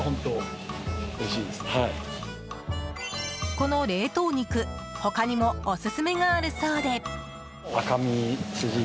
この冷凍肉他にもオススメがあるそうで。